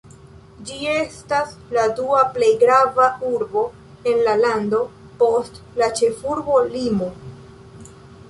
Ĝi estas la dua plej grava urbo en la lando, post la ĉefurbo Limo.